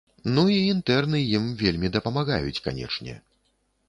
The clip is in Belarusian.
Ну і інтэрны ім вельмі дапамагаюць, канечне.